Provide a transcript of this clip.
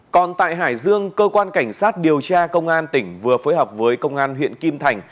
còn tại hải dương cơ quan cảnh sát điều tra công an tỉnh vừa phối hợp với công an huyện kim thành